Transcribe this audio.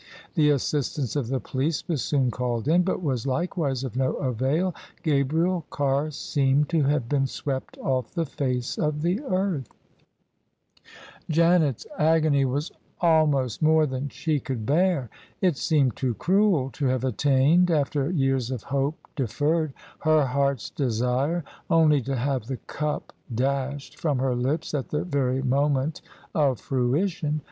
The assistance of the police was soon called in, but was likewise of no avail: Gabriel Carr seemed to have been swept off the face of the earth. OF ISABEL CARNABY Janet's agony was almost more than she cx)uld bear. It seemed too cruel to have attained, after years of hope deferred, her heart's desire, only to have the cup dashed from her lips at the very moment of fruition.